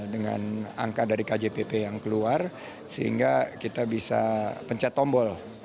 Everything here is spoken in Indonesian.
dengan angka dari kjpp yang keluar sehingga kita bisa pencet tombol